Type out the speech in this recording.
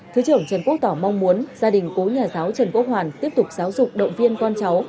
thứ trưởng trần quốc tỏ mong muốn gia đình cố nhà giáo trần quốc hoàn tiếp tục giáo dục động viên con cháu